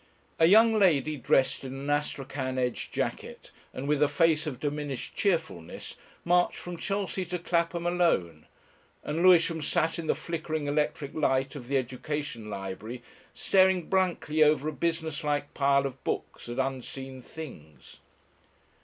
A young lady dressed in an astrachan edged jacket and with a face of diminished cheerfulness marched from Chelsea to Clapham alone, and Lewisham sat in the flickering electric light of the Education Library staring blankly over a business like pile of books at unseen things.